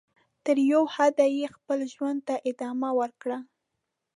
تر یوه حده یې خپل ژوند ته ادامه ورکړه.